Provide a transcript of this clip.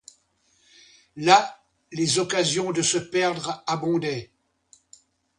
Là, les occasions de se perdre abondaient.